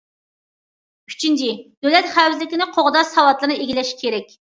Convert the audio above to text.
ئۈچىنچى، دۆلەت خەۋپسىزلىكىنى قوغداش ساۋاتلىرىنى ئىگىلەش كېرەك.